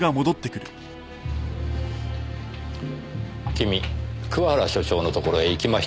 君桑原所長のところへ行きましたね？